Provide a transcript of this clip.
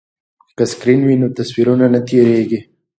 که سکرین وي نو تصویر نه تیریږي.